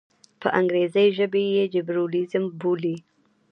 په انګریزي ژبه یې جیروزلېم بولي.